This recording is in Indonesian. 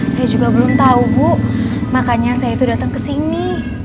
saya juga belum tahu bu makanya saya itu datang ke sini